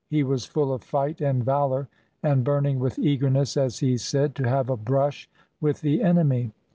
He was full of fight and valour, and burning with eagerness, as he said, to have a brush with the enemy.